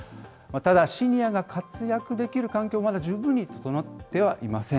ただ、シニアが活躍できる環境、まだ十分に整ってはいません。